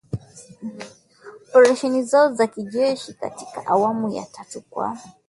Juni mosi kuongeza muda wa operesheni zao za kijeshi katika awamu ya tatu, kwa sababu tishio hilo halijatokomezwa.